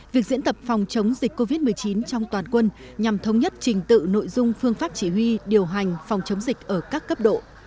việc diễn tập phòng chống dịch covid một mươi chín trong toàn quân nhằm thống nhất trình tự nội dung phương pháp chỉ huy điều hành phòng chống dịch ở các cấp độ